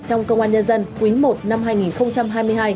trong công an nhân dân quý i năm hai nghìn hai mươi hai